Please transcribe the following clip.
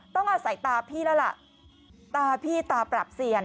ต้องอาศัยตาพี่แล้วล่ะตาพี่ตาปรับเสี่ยง